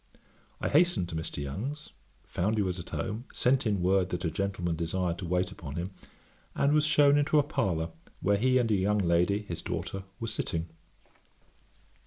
I hastened to Mr. Young's, found he was at home, sent in word that a gentleman desired to wait upon him, and was shewn into a parlour, where he and a young lady, his daughter, were sitting.